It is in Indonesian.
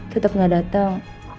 tetap nggak datang